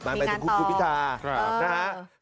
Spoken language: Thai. มีงานต่อ